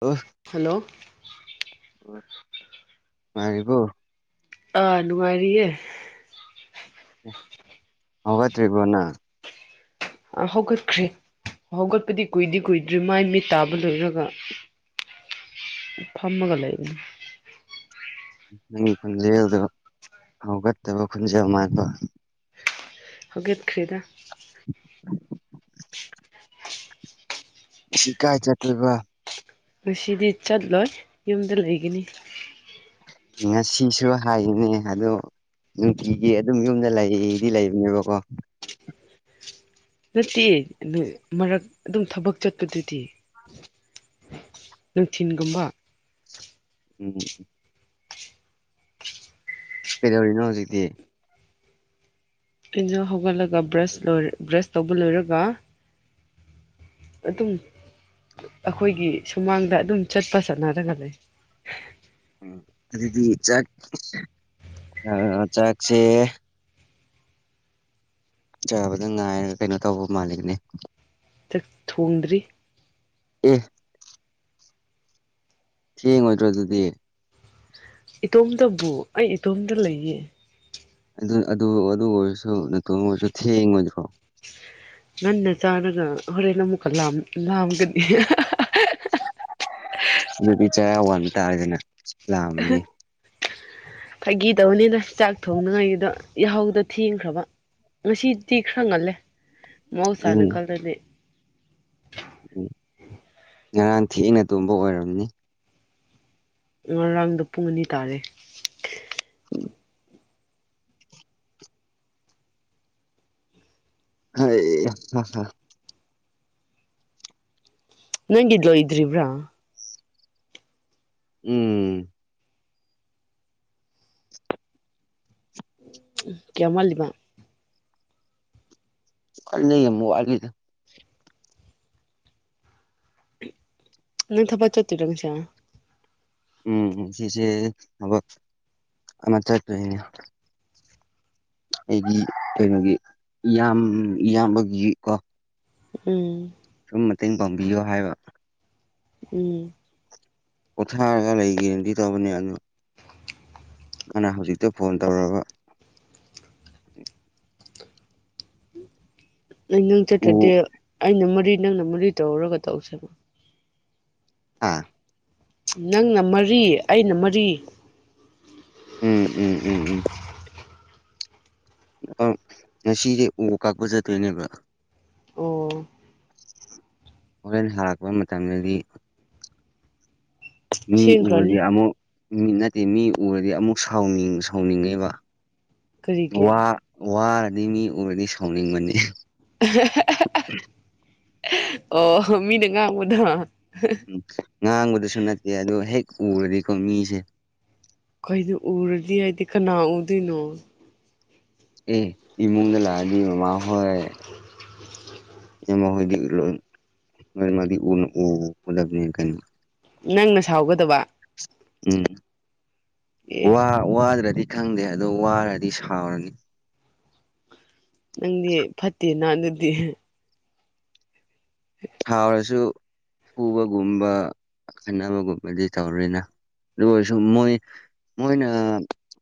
ꯑꯣ ꯍꯜꯂꯣ ꯃꯔꯔꯤꯕꯣ ꯑꯥ ꯅꯨꯡꯉꯥꯏꯔꯤꯌꯦ ꯍꯧꯒꯇꯔꯤꯒꯅ ꯍꯧꯒꯠꯈ꯭ꯔꯤ ꯍꯧꯒꯠꯄꯗꯤ ꯀꯨꯏꯗꯤ ꯀꯨꯏꯗ꯭ꯔꯤ ꯃꯥꯏ ꯃꯤꯠ ꯇꯥꯕ ꯂꯣꯏꯔꯒ ꯐꯃꯒ ꯂꯩꯅꯤ ꯅꯪꯒꯤ ꯈꯣꯟꯖꯦꯜꯗꯣ ꯍꯧꯒꯠꯇꯕ ꯈꯣꯟꯖꯦꯜ ꯃꯥꯟꯕꯥꯟꯕ ꯍꯧꯒꯦꯠꯈ꯭ꯔꯤꯦꯗ [inaudible] ꯁꯤ ꯀꯥꯏ ꯆꯠꯈꯣꯏꯕ ꯉꯁꯤꯗꯤ ꯆꯠꯂꯣꯏ ꯌꯨꯝꯗ ꯂꯩꯒꯅꯤ ꯉꯁꯤꯁꯨ ꯍꯥꯏꯅꯦ ꯑꯗꯣ ꯅꯨꯡꯇꯤꯒꯤ ꯑꯗꯨꯝ ꯌꯨꯝꯗ ꯂꯩꯗꯤ ꯂꯩꯕꯅꯦꯕꯀꯣ ꯅꯠꯇꯦ ꯃꯔꯛ ꯑꯗꯨꯝ ꯊꯕꯛ ꯆꯠꯄꯗꯨꯗꯤ ꯅꯨꯡꯊꯤꯟꯒꯨꯝꯕ ꯎꯝ ꯀꯩꯗꯧꯔꯤꯅꯣ ꯍꯧꯖꯤꯛꯇꯤ ꯑꯩꯅ ꯍꯧꯒꯠꯂꯒ ꯕ꯭ꯔꯁ ꯂꯔ ꯕ꯭ꯔꯁ ꯇꯧꯕ ꯂꯣꯏꯔꯒ ꯑꯗꯨꯝ ꯑꯩꯈꯣꯏꯒꯤ ꯁꯨꯃꯥꯡꯗ ꯑꯗꯨꯝ ꯆꯠꯄ ꯆꯠꯅꯔꯒ ꯂꯩ ꯎꯝ ꯑꯗꯨꯗꯤ ꯆꯥꯛ ꯆꯥꯛꯁꯦ ꯆꯥꯕꯗ ꯉꯥꯏꯔꯒ ꯀꯩꯅꯣ ꯇꯧꯕ ꯃꯥꯜꯂꯤꯒꯅꯦ ꯊꯣꯡꯗ꯭ꯔꯤ ꯑꯦ ꯊꯦꯡꯉꯣꯏꯗ꯭ꯔꯣ ꯑꯗꯨꯗꯤ ꯏꯇꯣꯝꯇꯕꯨ ꯑꯩ ꯏꯇꯣꯝꯗ ꯂꯩꯌꯦ ꯑꯗꯨ ꯑꯗꯨ ꯑꯣꯏꯔꯁꯨ ꯅꯇꯣꯟ ꯑꯣꯏꯔꯁꯨ ꯊꯦꯡꯉꯣꯏꯗ꯭ꯔꯣ ꯉꯟꯅ ꯆꯥꯔꯒ ꯍꯣꯔꯦꯟ ꯑꯃꯨꯛꯀ ꯂꯥꯝꯒꯗꯤ ꯑꯗꯨ ꯄ ꯆ ꯋꯥꯟ ꯇꯥꯔꯦꯅꯦ [unintelligible] ꯐꯥꯒꯤ ꯇꯧꯕꯅꯤꯅ ꯆꯥꯛ ꯊꯣꯡꯅꯉꯥꯏꯒꯤꯗ ꯌꯥꯍꯧꯗꯣ ꯊꯦꯡꯈ꯭ꯔꯕ ꯉꯁꯤꯗꯤ ꯈꯔ ꯉꯜꯂꯦ ꯎꯝ ꯃꯍꯧꯁꯥꯅꯀꯜꯗꯗꯤ ꯎꯝ ꯉꯔꯥꯡ ꯊꯦꯡꯅ ꯇꯨꯝꯕ ꯑꯣꯏꯔꯝꯅꯤ ꯉꯔꯥꯡꯗ ꯄꯨꯡ ꯑꯅꯤ ꯇꯥꯔꯦ ꯍ ꯍ ꯅꯪꯗꯂꯣ ꯏ꯭ꯔꯤꯕꯕ꯭ꯔꯥ ꯎꯝ ꯀꯌꯥꯃꯜꯂꯤꯕ ꯀꯨꯗ ꯅ ꯊ ꯄꯆꯠꯇꯔ ꯇꯪꯁ ꯎꯝ ꯁꯤꯁꯦ ꯊꯕꯛ ꯑꯃ ꯆꯠꯇꯣꯏꯅꯦ ꯑꯩꯗꯤ ꯀꯩꯅꯣꯒꯤ ꯏꯌꯥꯝ ꯏꯌꯥꯝꯕꯒꯤ ꯀꯣ ꯎꯝ ꯁꯨꯝ ꯃꯇꯦꯡ ꯄꯥꯡꯕꯤꯌꯣ ꯍꯥꯏꯕ ꯎꯝ ꯄꯣꯊꯥꯔꯒ ꯂꯩꯒꯔꯗꯤ ꯇꯧꯕꯅꯦ ꯑꯗꯨꯅ ꯅꯅ ꯍꯧꯖꯤꯛꯇ ꯐꯣꯟ ꯇꯧꯔꯕ ꯑꯩ ꯅꯪ ꯎ ꯆꯠꯀꯗꯤꯦ ꯑꯩꯅ ꯃꯔꯤ ꯅꯪꯅ ꯃꯔꯤ ꯇꯧꯔꯒ ꯇꯧꯁꯦꯕ ꯑꯥ ꯅꯪꯅ ꯃꯔꯤ ꯑꯩꯅ ꯃꯔꯤ ꯎꯝ ꯎꯝ ꯎꯝ ꯑ ꯉꯁꯤꯁꯦ ꯎ ꯀꯥꯛꯄ ꯆꯠꯇꯣꯏꯅꯦꯕ ꯑꯣ ꯍꯣꯔꯦꯟ ꯍꯔꯛꯄ ꯃꯇꯝꯗꯗꯤ ꯃꯤ ꯎꯗꯤ ꯁꯦꯝꯈ꯭ꯔꯅꯤ ꯌꯥꯝꯃꯣ ꯃꯤꯠ ꯅꯠꯇꯦ ꯃꯤ ꯎꯔꯗꯤ ꯑꯃꯨꯛ ꯁꯅꯤꯡ ꯁꯥꯎꯅꯤꯡꯉꯦꯕ ꯀꯔꯤꯒꯤ ꯋꯥ ꯋꯥꯔꯗꯤ ꯃꯤ ꯎꯔꯗꯤ ꯁꯥꯎꯅꯤꯡꯕꯅꯤ ꯑꯣ ꯃꯤꯅ ꯉꯥꯡꯕꯗ ꯎ ꯉꯥꯡꯕꯗꯁꯨ ꯅꯠꯇꯦ ꯑꯗꯣ ꯍꯦꯛ ꯎꯔꯗꯤꯀꯣ ꯃꯤꯁꯦ ꯀꯅꯣ ꯎꯔꯗꯤ ꯍꯥꯏꯗꯤ ꯀꯅꯥ ꯎꯗꯣꯏꯅꯣ ꯑꯦ ꯏꯃꯨꯡꯗ ꯂꯥꯛꯑꯗꯤ ꯃꯃꯥ ꯍꯣꯏ ꯌꯥꯝꯃꯣ ꯍꯗꯤꯣ ꯃꯥꯗꯤꯗꯅꯦ ꯀ ꯅꯪꯅ ꯁꯥꯎꯒꯗꯕ ꯎꯝ ꯑꯦ ꯋꯥꯗ꯭ꯔꯗꯤ ꯈꯪꯗꯦ ꯑꯗꯣ ꯋꯥꯔꯗꯤ ꯁꯥꯎꯔꯅꯤ ꯅꯪꯗꯤ ꯐꯠꯇꯦ ꯅ ꯑꯗꯨꯗꯤ ꯊꯥꯎꯔꯁꯨ ꯄꯨꯕꯒꯨꯝꯕ ꯈꯟꯅꯕꯒꯨꯝꯕꯗꯤ ꯇꯧꯔꯤꯅ ꯑꯗꯨꯒ ꯑꯣꯏꯔꯁꯨ ꯃꯣꯏ ꯃꯣꯏꯅ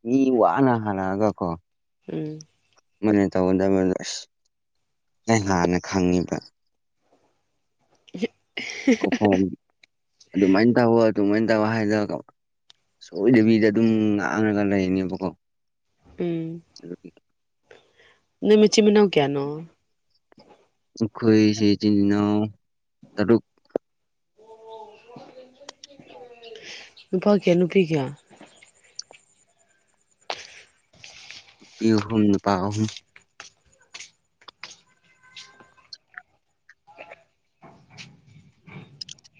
ꯃꯤ ꯋꯥꯅ ꯍꯜꯂꯛꯑꯒ ꯀꯣ ꯎꯝ ꯃꯅ ꯇꯧꯒꯗꯕꯗꯣ ꯑꯁ ꯑꯩ ꯍꯥꯟꯅ ꯈꯪꯉꯤꯕ ꯌ ꯑꯣ ꯐ ꯑꯗꯨꯃꯥꯏꯅ ꯇꯧꯋꯣ ꯑꯗꯨꯃꯥꯏꯅ ꯇꯧꯔ ꯍꯥꯏꯗꯔꯒ ꯁꯣꯏꯗꯕꯤꯗ ꯑꯗꯨꯝ ꯉꯥꯡꯉꯒ ꯂꯩꯅꯦꯕꯀꯣ ꯎꯝ [unintelligible] [unintelligible] ꯅ ꯃ ꯆꯤꯃꯤꯅꯥ ꯀꯌꯥꯅꯣ ꯈꯣꯏꯁꯤ ꯆꯤꯟꯅ ꯇꯣꯛ ꯅꯨꯄꯥ ꯀꯌꯥ ꯅꯨꯄꯤ ꯀꯌꯥ ꯅꯨꯄꯤ ꯑꯍꯨꯝ ꯅꯨꯄꯥ ꯑꯍꯨꯝ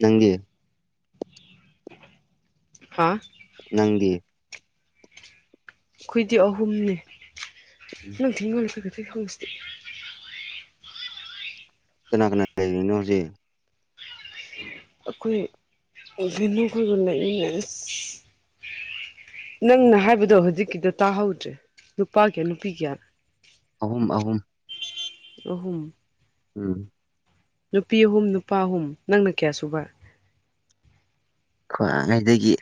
ꯆꯪꯒꯦ ꯍꯥꯥ ꯅꯪꯒꯤ ꯑꯩꯈꯣꯏꯗꯤ ꯑꯍꯨꯝꯅꯦ ꯎꯝ ꯅ ꯅꯪ ꯊꯤ ꯈꯣꯂꯀ ꯈꯪꯉꯁꯤꯦ ꯀꯅꯥ ꯀꯅꯥ ꯂꯩꯔꯤꯅꯣ ꯍꯧꯖꯤꯛ ꯑꯩꯈꯣꯏ ꯅꯨꯈꯣꯏꯒ ꯂꯩꯃꯤꯟꯅ ꯅꯪꯅ ꯍꯥꯏꯕꯗꯣ ꯍꯧꯖꯤꯛꯀꯤꯗ ꯇꯥꯍꯧꯗ꯭ꯔꯦ ꯅꯨꯄꯥ ꯀꯌꯥ ꯅꯨꯄꯤ ꯀꯌꯥ ꯑꯍꯨꯝ ꯑꯍꯨꯝ ꯔꯍꯨꯝ ꯎꯝ ꯅꯨꯄꯤ ꯑꯍꯨꯝ ꯅꯨꯄꯥ ꯑꯍꯨꯝ ꯅꯪꯅ ꯀꯌꯥ ꯁꯨꯕ ꯈ ꯉꯩꯗꯒꯤ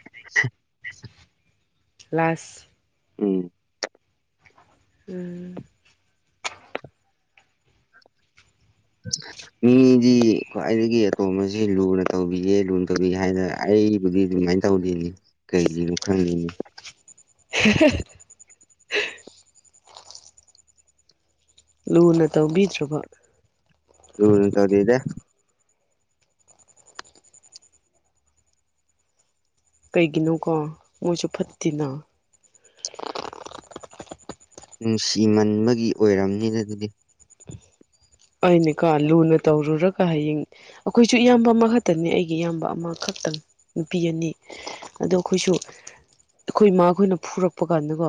ꯀ꯭ꯂꯥꯁ ꯎꯝ ꯎꯝ ꯎꯝ ꯃꯤꯗꯤ ꯈ꯭ꯋꯥꯏꯗꯒꯤ ꯑꯇꯣꯝꯕꯁꯤ ꯂꯨꯅ ꯇꯧꯕꯤꯌꯦ ꯂꯨꯅ ꯇꯧꯕꯤꯦ ꯍꯥꯏꯗꯅ ꯑꯩꯕꯨꯗꯤ ꯑꯗꯨꯃꯥꯏꯅ ꯇꯧꯔꯤꯅꯤ ꯀꯩꯒꯤꯅꯣ ꯈꯪꯉꯅꯤ ꯍ ꯂꯨꯅ ꯇꯧꯕꯤꯗ꯭ꯔꯕ ꯌ ꯏꯟ ꯆꯧꯗꯤ ꯏꯗꯦ ꯀꯩꯒꯤꯅꯣꯀꯣ ꯃꯣꯏꯁꯨ ꯐꯠꯇꯦꯅ ꯅꯨꯡꯁꯤꯃꯟꯕꯒꯤ ꯑꯣꯏꯔꯝꯅꯤꯅ ꯑꯗꯨꯗꯤ ꯑꯅꯤꯀꯣ ꯂꯨꯅ ꯇꯧꯔꯨꯔꯒ ꯍꯌꯦꯡ ꯑꯩꯈꯣꯏꯁꯨ ꯏꯌꯥꯝꯕ ꯑꯃꯈꯛꯇꯅꯤ ꯑꯩꯒꯤ ꯏꯌꯥꯝꯕ ꯑꯃꯈꯛꯇꯪ ꯅꯨꯄꯤ ꯑꯅꯤ ꯑꯗꯣ ꯑꯩꯈꯣꯏꯁꯨ ꯑꯩꯈꯣꯏ ꯏꯃꯥꯈꯣꯏꯅ ꯐꯨꯔꯛꯄ ꯀꯥꯟꯗꯀꯣ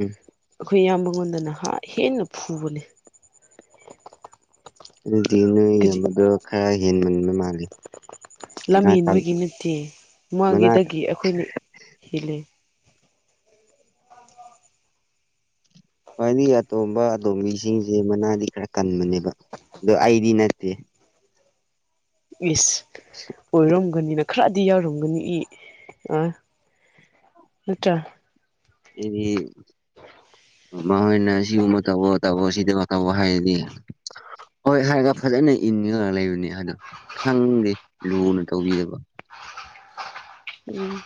ꯎꯝ ꯏꯌꯥꯝꯕꯉꯣꯟꯗꯅ ꯍ ꯍꯦꯟꯅ ꯐꯨꯕꯅꯦ ꯑꯗꯨꯗꯤ ꯅꯣꯏ ꯀꯔꯤ ꯏꯌꯥꯝꯕꯗꯣ ꯈꯔ ꯍꯦꯟꯃꯟꯕ ꯃꯥꯜꯂꯦ ꯂꯝ ꯍꯦꯟꯕꯒꯤ ꯅꯠꯇꯦ ꯃꯅꯥ ꯃꯥꯉꯦꯗꯒꯤ ꯑꯩꯈꯣꯏꯅ ꯍꯦꯜꯜꯂꯤ ꯈ꯭ꯋꯥꯏꯗꯤ ꯑꯇꯣꯝꯕ ꯑꯇꯣꯝꯕꯤꯁꯤꯡꯁꯦ ꯃꯅꯥꯗꯤ ꯈꯔ ꯀꯟꯕꯅꯦꯕ ꯑꯗꯣ ꯑꯩꯗꯤ ꯅꯠꯇꯦ ꯏꯁ ꯑꯣꯏꯔꯝ ꯒꯅꯤꯅ ꯈꯔꯗꯤ ꯌꯥꯎꯔꯝꯒꯅꯤ ꯏ ꯑ ꯅꯠꯇ꯭ꯔ ꯑꯩꯗꯤ ꯃꯈꯣꯏꯅ ꯁꯤꯒꯨꯝꯕ ꯇꯧꯧꯕꯣ ꯇꯧꯧꯕ ꯁꯤꯗ ꯇꯧꯕ ꯍꯥꯏꯔꯗꯤ ꯍꯣꯏ ꯍꯥꯏꯔꯒ ꯐꯖꯅ ꯏꯟꯉꯒ ꯂꯩꯕꯅꯦ ꯑꯅ ꯁꯪꯗꯤꯦ ꯂꯨꯅ ꯇꯧꯕꯤꯗꯕ ꯎꯝ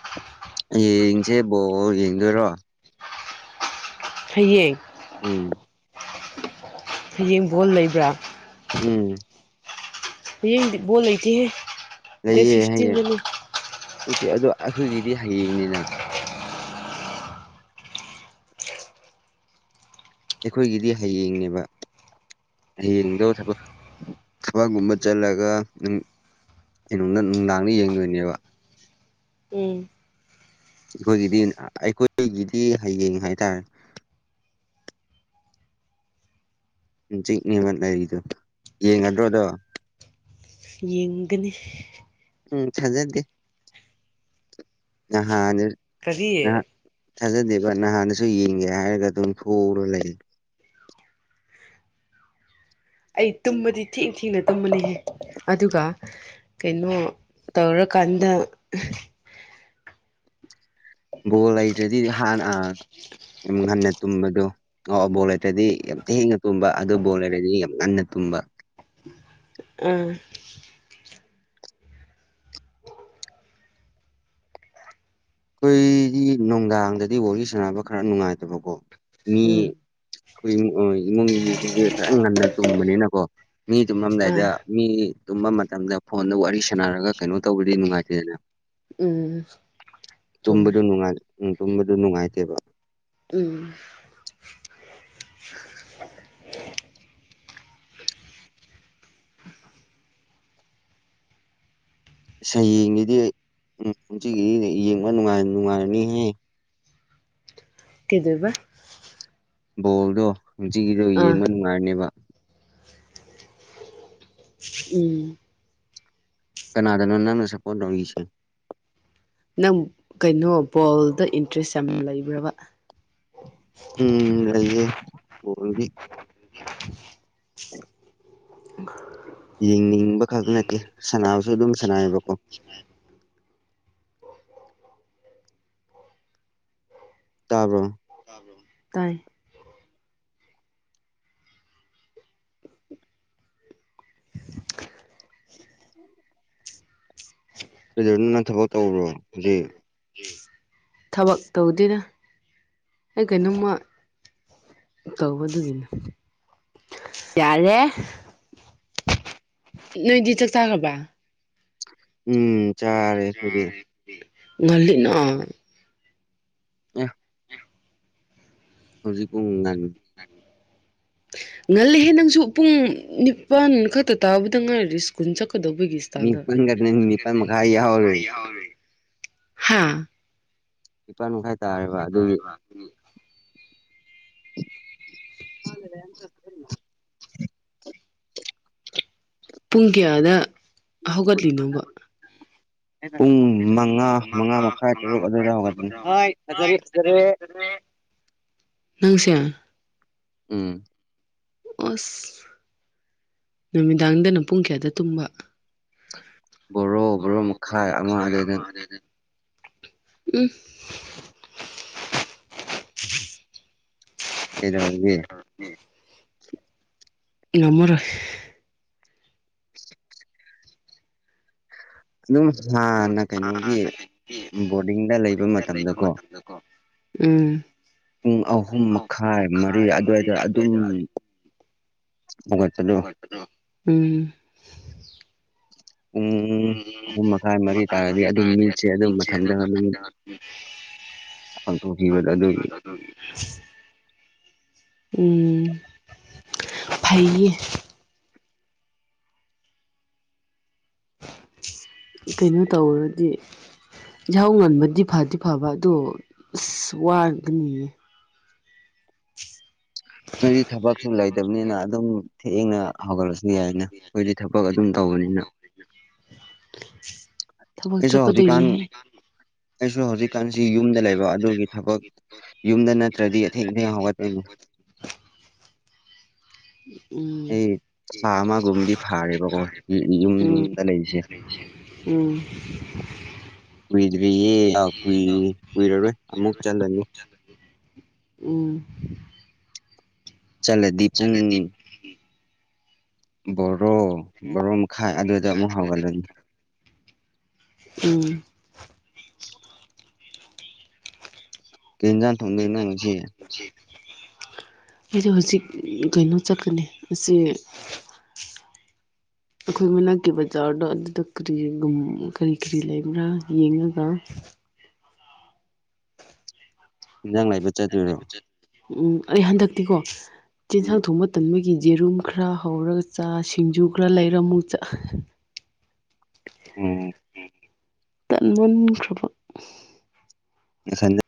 ꯌꯦꯌꯦꯡꯁꯦꯕꯣ ꯌꯦꯡꯗꯣꯏꯔꯣ ꯍꯩꯌꯦ ꯎꯝ ꯍꯌꯦꯡꯕꯣꯜ ꯂꯩꯕ꯭ꯔꯥ ꯎꯝ ꯍꯌꯦꯗꯤ ꯕꫭꯜ ꯂꯩꯇꯦꯍꯦ ꯗꯦꯠ ꯂꯩꯌꯦ ꯍꯌꯦꯡ ꯐꯤꯐꯇꯤꯟꯗꯅꯤ ꯅꯠꯇ ꯑꯗꯣ ꯑꯩꯈꯣꯏꯒꯤꯗꯤ ꯍꯌꯦꯡꯅꯤꯅ ꯑꯩꯈꯣꯏꯒꯤꯗꯤ ꯍꯌꯦꯡꯅꯦꯕ ꯍꯌꯦꯡꯗꫭ ꯊꯕꯛ ꯊꯕꯛꯀꯨꯝꯕ ꯆꯠꯂꯒ ꯑꯩꯅꯨꯡꯗ ꯅꯨꯡꯗꯥꯡꯅ ꯌꯦꯡꯗꯣꯏꯅꯦꯕ ꯎꯝ ꯑꯩꯈꯣꯏꯒꯤꯗꯤ ꯑꯩꯈꯣꯏꯒꯤꯗꯤ ꯍꯌꯦꯡ ꯍꯥꯏꯇꯥꯔꯦ ꯍꯪꯆꯤꯛꯅꯤꯡꯕ ꯂꯩꯔꯤꯗꯨ ꯌꯦꯡꯒꯗ꯭ꯔꯣꯗꯣ ꯌꯦꯡꯒꯅꯤ ꯎꯝ ꯊꯥꯖꯗꯦ ꯅꯍꯥꯟ ꯀꯔꯤ ꯅꯍꯥꯟ ꯊꯥꯖꯗꯦꯕ ꯅꯍꯥꯟꯗꯁꯨ ꯌꯦꯡꯒꯦ ꯍꯥꯏꯔꯒ ꯑꯗꯨꯝ [unintelligible] ꯂꯩ ꯑꯩ ꯇꯨꯝꯕꯗꯤ ꯊꯦꯡ ꯊꯦꯡꯅ ꯇꯨꯝꯃꯅꯤꯍꯦ ꯑꯗꯨꯒ ꯀꯩꯅꯣ ꯇꯧꯔꯀꯥꯟꯗ ꯕꯣꯜ ꯂꯩꯗ꯭ꯔꯗꯤ ꯍꯥꯟ ꯑ ꯉꯟꯅ ꯇꯨꯝꯕꯗꯣ ꯑꯣ ꯕꯣꯜ ꯂꯩꯇ꯭ꯔꯗꯤ ꯌꯥꯝ ꯊꯦꯡꯅ ꯇꯨꯝꯕ ꯑꯗꯨ ꯕꯣꯜ ꯂꯩꯔꯗꯤ ꯌꯥꯝ ꯉꯟꯅ ꯇꯨꯝꯕ ꯑꯥ ꯑꯩꯈꯣꯏꯗꯤ ꯅꯨꯡꯗꯥꯡꯗꯗꯤ ꯋꯥꯔꯤꯒꯤ ꯁꯥꯟꯅꯕ ꯈꯔ ꯅꯨꯡꯉꯥꯏꯇꯕꯀꯣ ꯃꯤ ꯎꯝ ꯑꯩꯈꯣꯏ ꯏꯃꯨꯡꯒꯤ ꯃꯤꯁꯤꯡꯁꯦ ꯈꯔ ꯉꯟꯅ ꯇꯨꯝꯕꯅꯤꯅꯀꯣ ꯃꯤ ꯑꯥ ꯇꯨꯝꯃꯝꯗꯥꯏꯗ ꯃꯤ ꯇꯨꯝꯕ ꯃꯇꯝꯗ ꯐꯣꯟꯗ ꯋꯥꯔꯤ ꯁꯥꯟꯅꯔꯒ ꯀꯩꯅꯣ ꯇꯧꯕꯗꯤ ꯅꯨꯡꯉꯥꯏꯇꯦꯗꯅ ꯎꯝ ꯆꯨꯝꯃꯦ ꯇꯨꯝꯕꯗꯨ ꯅꯨꯡꯉꯥꯏ ꯎꯝ ꯇꯨꯝꯕꯗꯨ ꯅꯨꯡꯉꯥꯏꯇꯦꯕ ꯎꯝ ꯁꯌꯦꯡꯒꯤꯗꯤ ꯎꯝ ꯄꯨꯨꯝꯁꯤꯒꯤꯗꯤ ꯌꯦꯡꯕ ꯅꯨꯉꯥꯏ ꯅꯨꯡꯉꯥꯏꯔꯅꯤꯍꯦ ꯀꯗꯣꯏꯕ ꯕꯣꯜꯗꯣ ꯉꯁꯤꯒꯤꯗꯣ ꯑꯥ ꯌꯦꯡꯕ ꯅꯨꯡꯉꯥꯏꯔꯅꯦꯕ ꯎꯝ ꯀꯅꯥꯗꯅꫭ ꯅꯪꯅ ꯁꯄꯣꯠ ꯇꯧꯏꯁꯦ ꯅꯪ ꯀꯩꯅꯣ ꯕꯣꯜꯗ ꯏꯟꯇꯔꯦꯁ ꯌꯥꯝ ꯂꯩꯕ꯭ꯔꯕ ꯎꯝ ꯂꯩꯌꯦ ꯕꫭꯜꯗꯤ [unintelligible] [unintelligible] ꯌꯦꯡꯅꯤꯡꯕ ꯈꯛꯇ ꯅꯠꯇꯦ ꯁꯅꯕꯁꯨ ꯑꯗꯨꯝ ꯁꯅꯥꯏꯕꯀꯣ ꯇꯥꯕ꯭ꯔꯣ ꯇꯥꯕ꯭ꯔꫭ ꯀꯥꯏ ꯀꯗꯅ ꯊꯕꯛ ꯇꯧ꯭ꯔꯣ ꯍꯧꯖꯤꯛ ꯊꯕꯛ ꯇꯧꯗꯅ ꯑꯩ ꯀꯩꯅꯣꯃ ꯇꯗꯨꯒꯤꯅꯦ ꯌꯥꯔꯦ ꯅꯣꯏꯗꯤ ꯆꯥꯛ ꯆꯥꯈ꯭ꯔꯕ꯭ꯔ ꯎꯝ ꯆꯥꯔꯦꯈꯣꯏꯗꯤ ꯉꯂꯤ ꯅ ꯑꯦ ꯍꯧꯖꯤꯛ [unintelligible] ꯉꯜꯂꯤꯍꯦ ꯅꯪꯁꯨ ꯄꯨꯡ ꯅꯤꯄꯥꯟ ꯈꯛꯇ ꯇꯥꯕꯗ ꯉꯥꯏꯔꯤ ꯀꯨꯟ ꯆꯠꯀꯗꯕꯩ ꯏꯁ꯭ꯇꯥꯏꯜꯗ ꯅꯤꯄꯥꯟꯒꯅꯤ ꯅꯤꯄꯥꯟ ꯃꯈꯥꯏ ꯌꯥꯎꯔꯦ [unintelligible] ꯍꯥ [unintelligible] ꯑꯗꯨꯒꯤ [unintelligible] [unintelligible] ꯄꯨꯡ ꯀꯌꯥꯗ ꯍꯧꯒꯠꯂꯤꯅꯣꯕ ꯄꯨꯡ ꯃꯉꯥ ꯃꯉꯥ ꯃꯈꯥꯏ ꯇꯔꯨꯛ ꯑꯗꯨꯋꯥꯏꯗ ꯍꯧꯒꯅꯤ ꯐ ꯐꯖꯦ ꯅꯪꯁꯦ ꯎꯝ ꯑꯁ ꯅꯨꯃꯤꯗꯥꯡꯗꯅ ꯄꯨꯡ ꯀꯌꯥꯗ ꯇꯨꯝꯕ ꯕꯣꯔꯣ ꯕꯣꯔꯣ ꯃꯈꯥꯏ ꯑꯃ ꯑꯗꯨꯗꯩꯗ ꯎꯝ [unintelligible] ꯀꯩꯗꯧꯔꯒ ꯅꯃꯔ [unintelligible] ꯑꯗꯨꯝ ꯍꯥꯟꯅ ꯀꯩꯅꯣꯒꯤ ꯕꯣꯔꯗꯤꯡꯗ ꯂꯩꯕ ꯃꯇꯝꯗꯀꯣ ꯎꯝ ꯄꯨꯡ ꯑꯍꯨꯝ ꯃꯈꯥꯏ ꯃꯔꯤ ꯑꯗꯨꯋꯥꯏꯗ ꯑꯗꯨꯝ ꯄꯨꯒꯠꯄꯗꯨꯣ ꯎꯝ ꯄꯨꯡ ꯎꯝ ꯑꯍꯨꯝ ꯃꯈꯥꯏ ꯎꯝ ꯃꯔꯤ ꯇꯥꯔꯗꯤ ꯃꯈꯊꯥꯟ ꯑꯗꯨꯝ ꯃꯤꯠꯁꯦ ꯑꯗꯨꯝ ꯇꯗꯤꯁꯦ ꯑꯗꯨ ꯃꯊꯟꯇ ꯃꯊ ꯎ ꯑ ꯇꯨꯡ ꯐꯤꯕꯦꯗꯗꯦꯔꯤ ꯎꯝ ꯐꯩꯌꯦ ꯀꯩꯅꯣ ꯇꯧꯔꯗꯤ ꯏꯍꯧ ꯉꯟꯕꯗꯤ ꯐꯗꯤ ꯐꯕ ꯑꯗꯣ ꯑꯁ ꯋꯥꯒꯅꯤꯌꯦ ꯅꯗꯤ ꯊꯕꯛꯁꯨ ꯂꯩꯇꯕꯅꯤꯅ ꯑꯗꯨꯝ ꯊꯦꯡꯅ ꯍꯧꯒꯠꯂꯁꯨ ꯌꯥꯏꯅ ꯑꯩꯈꯣꯏꯗꯤ ꯊꯕꯛ ꯑꯗꯨꯝ ꯇꯧꯕꯅꯤꯅ [unintelligible] ꯑꯩꯁꯨ ꯍꯧꯖꯤꯛꯀꯥꯟ ꯆꯠꯀꯗꯣꯏꯅꯦꯍꯦ ꯑꯩꯁꯨ ꯍꯧꯖꯤꯛꯀꯥꯟꯁꯤ ꯌꯨꯝꯗ ꯂꯩꯕ ꯑꯗꯨꯒꯤ ꯊꯕꯛ ꯌꯨꯝꯗ ꯅꯠꯇ꯭ꯔꯗꯤ ꯑꯊꯦꯡ ꯏꯊꯦꯡ ꯍꯧꯒꯠꯇꯣꯏꯅꯤ ꯎꯝ ꯑꯦ ꯆꯥꯃꯥꯒꯨꯝꯨꯝꯗꯤ ꯐꯥꯔꯔꯤꯕ ꯀꯣ ꯎꯝ ꯌꯨꯝ ꯎꯝ ꯌꯨꯝꯗ ꯂꯩꯁꯦ ꯎꯝ ꯀꯨꯏꯗ꯭ꯔꯤꯌꯦ ꯀꯨꯏ ꯀꯨꯏꯔꯔꯣꯏ ꯑꯃꯨꯛ ꯆꯟꯗꯅꯤ ꯎꯝ ꯆꯂꯦꯗꯤ ꯄꯨꯡ ꯕꯣꯔꯣ ꯕꯣꯔꯣ ꯃꯈꯥꯏ ꯑꯗꯨꯗ ꯑꯃꯨꯛ ꯍꯧꯒꯠꯂꯅꯤ ꯎꯝ ꯀꯤꯟꯖꯥꯟ [unintelligible] ꯑꯩꯁ ꯍꯧꯖꯤꯛ ꯀꯩꯅꯣ ꯆꯠꯀꯅꯤ ꯑꯁꯤ ꯑꯩꯈꯣꯏ ꯃꯅꯥꯛꯀꯤ ꯕꯖꯥꯔꯗꯣ ꯑꯗꯨꯗ ꯀꯔꯤꯒꯨꯝ ꯀꯔꯤ ꯀꯔꯤ ꯂꯩꯕ꯭ꯔꯥ ꯌꯦꯡꯉꯒ ꯌꯦꯟꯖꯥꯡ ꯂꯩꯕ ꯆꯠꯇꯣꯏꯔꯣ ꯎꯝ ꯑꯩ ꯍꯟꯗꯛꯇꯤꯀꯣ ꯆꯤꯟꯖꯥꯡ ꯊꯣꯡꯕ ꯇꯟꯕꯒꯤ ꯌꯦꯔꯨꯝ ꯈꯔ ꯍꯧꯔꯒ ꯆꯥ ꯁꯤꯡꯖꯨ ꯈꯔ ꯂꯩꯔ ꯃꯨ ꯆꯥ [unintelligible] ꯑꯣ ꯇꯟꯃꯟꯈ꯭ꯔꯕ ꯅꯊꯟꯗ